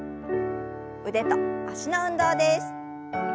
腕と脚の運動です。